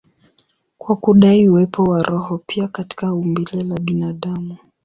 kwa kudai uwepo wa roho pia katika umbile la binadamu.